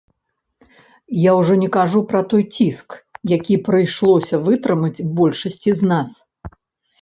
Я ўжо не кажу пра той ціск, які прыйшлося вытрымаць большасці з нас.